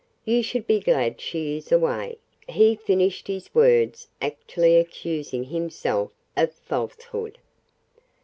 You should be glad she is away," he finished, his words actually accusing himself of falsehood.